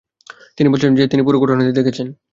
তিনি বলছেন যে তিনি পুরো ঘটনাটি দেখেছেন।